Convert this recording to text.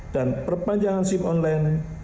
dan perpanjangan sim online